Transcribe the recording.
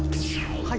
はい。